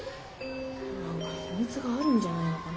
なんかヒミツがあるんじゃないのかな？